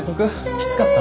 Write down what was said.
きつかった？